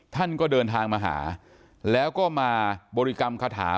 ท่านก็เดินทางมาหาแล้วก็มาบริกรรมคาถา